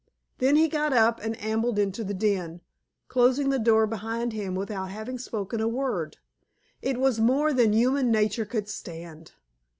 Then he got up and ambled into his den, closing the door behind him without having spoken a word. It was more than human nature could stand.